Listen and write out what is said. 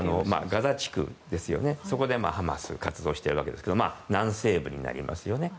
ガザ地区でハマスは活動しているわけですが南西部になりますよね。